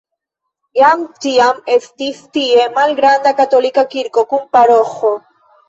Jam tiam estis tie malgranda katolika kirko kun paroĥo.